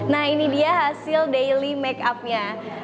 nah ini dia hasil daily make up nya